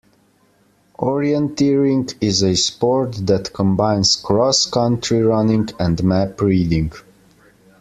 Orienteering is a sport that combines cross-country running and map reading